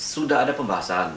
sudah ada pembahasan